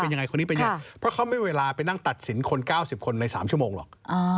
เพราะเขามันมีเวลาไปนั่งตัดสินคน๙๐คนในสามชั่วโมงหรอก